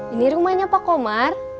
ini rumahnya pak komar